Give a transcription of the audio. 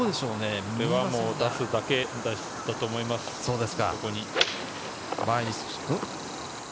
これはもう出すだけだと思います、横に。